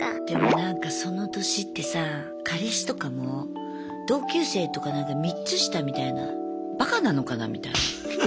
でもなんかその年ってさ彼氏とかも同級生とかなんか３つ下みたいなばかなのかなみたいな。